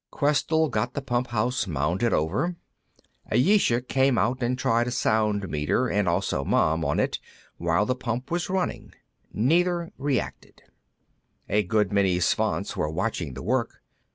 Questell got the pump house mounded over. Ayesha came out and tried a sound meter, and also Mom, on it while the pump was running. Neither reacted. A good many Svants were watching the work.